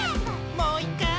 もういっかい！